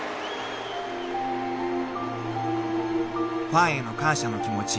［ファンへの感謝の気持ち］